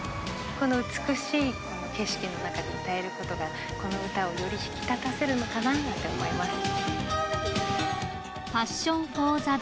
この美しい景色の中で歌えることがこの歌をより引き立たせるのかななんて思います。